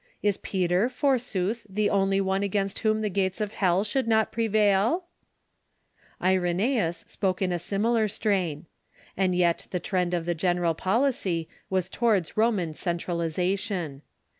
Is Peter, forsooth, the only one against whom the gates of hell should not prevail ?" Irenreus spoke in a similar strain. And yet the trend of the general policy was towards Roman centralization.